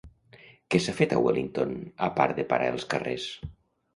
Què s'ha fet a Wellington a part de parar els carrers?